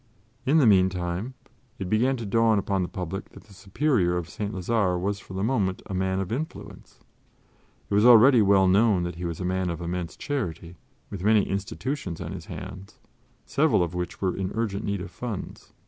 In the meantime it began to dawn upon the public that the Superior of St. Lazare was for the moment a man of influence. It was already well known that he was a man of immense charity, with many institutions on his hands, several of which were in urgent need of funds.